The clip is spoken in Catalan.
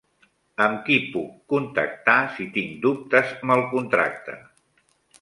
Amb qui puc contactar si tinc dubtes amb el contracte?